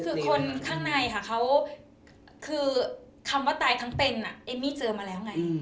คือคนข้างในค่ะเขาคือคำว่าตายทั้งเป็นเอมมี่เจอมาแล้วไง